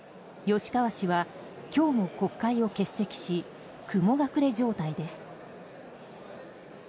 吉川氏は今日も国会を欠席し雲隠れ状態です。